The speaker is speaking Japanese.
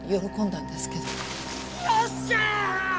よっしゃー！